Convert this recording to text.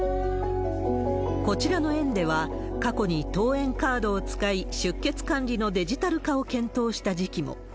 こちらの園では、過去に登園カードを使い、出欠管理のデジタル化を検討した時期も。